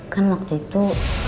kan waktu itu